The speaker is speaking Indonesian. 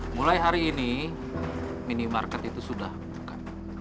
mulai hari ini minimarket itu sudah buka